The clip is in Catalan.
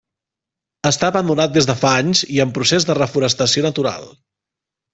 Està abandonat des de fa anys i en procés de reforestació natural.